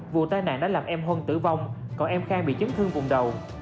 vụ tai nạn đã làm em huân tử vong còn em khang bị chấn thương vùng đầu